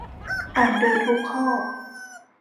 อ่านดูทุกข้อ